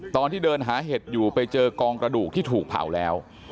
ตอนที่เดินหาเห็ดอยู่ไปเจอกองกระดูกที่ถูกเผาแล้ว